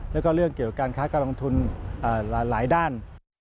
แล้วก็เรื่องเกี่ยวกับการค้าการลงทุนหลายด้าน